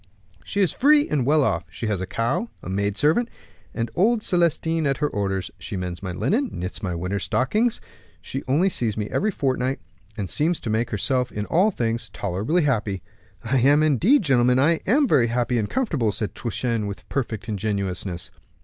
"She is free and well off; she has a cow, a maid servant and old Celestin at her orders; she mends my linen, knits my winter stockings; she only sees me every fortnight, and seems to make herself in all things tolerably happy. "And indeed, gentlemen, I am very happy and comfortable," said Truchen, with perfect ingenuousness.